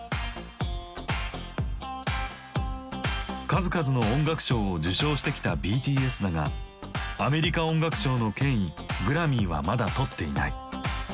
数々の音楽賞を受賞してきたＢＴＳだがアメリカ音楽賞の権威グラミーはまだとっていない。